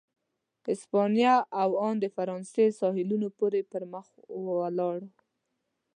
اسپانیا او ان د فرانسې ساحلونو پورې پر مخ ولاړ.